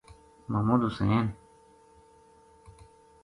محمد حسین